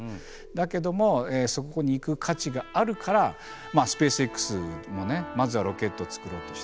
だけどもそこに行く価値があるからスペースＸもねまずはロケットを作ろうとしてるし